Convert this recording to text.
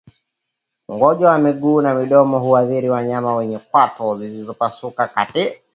Ugonjwa wa miguu na midomo huathiri wanyama wenye kwato zilizopasuka kati